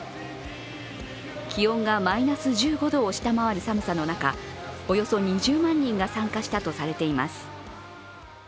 気温がマイナス１５度を下回る寒さの中、およそ２０万人が参加したとされています。